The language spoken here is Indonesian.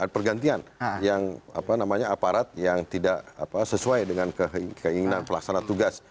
pergantian yang aparat yang tidak sesuai dengan keinginan pelaksana tugas